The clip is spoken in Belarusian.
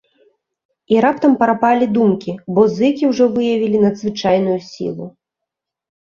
І раптам прапалі думкі, бо зыкі ўжо выявілі надзвычайную сілу.